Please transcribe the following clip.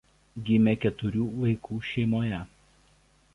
Gimė keturių vaikų šeimoje.